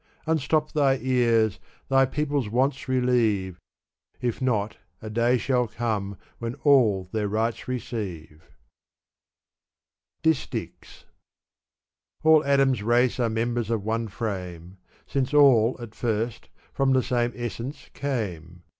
Unstop thy ears, thy people's wants relieve. If not, a day ^ shall come when all their rights receive. Dis^'chs, All Adam's race arc members of one frame ; Since all, at first, from the same essence came.